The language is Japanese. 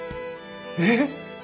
えっ！